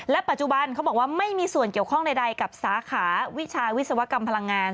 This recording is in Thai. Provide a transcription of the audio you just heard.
ปัจจุบันเขาบอกว่าไม่มีส่วนเกี่ยวข้องใดกับสาขาวิชาวิศวกรรมพลังงาน